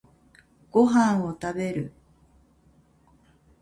ご飯を食べる。